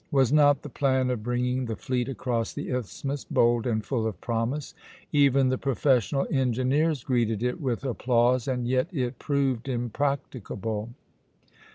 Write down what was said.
Was not the plan of bringing the fleet across the isthmus bold and full of promise? Even the professional engineers greeted it with applause, and yet it proved impracticable.